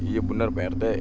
iya bener pak rt